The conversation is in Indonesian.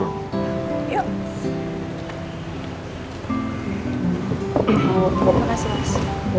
terima kasih mas